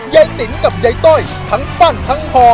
ยายติ๋มกับยายต้อยทั้งปั้นทั้งห่อ